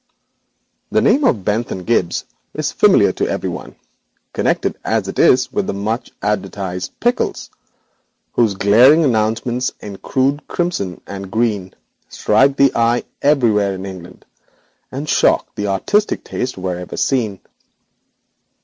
The name of Bentham Gibbes is familiar to everyone, connected as it is with the much advertised pickles, whose glaring announcements in crude crimson and green strike the eye throughout Great Britain, and shock the artistic sense wherever seen.